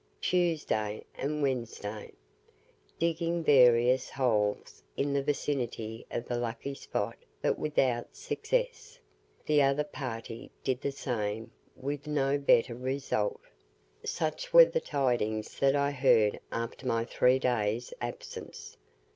TUESDAY AND WEDNESDAY. Digging various holes in the vicinity of the lucky spot, but without success. The other party did the same with no better result. Such were the tidings that I heard after my three days' absence.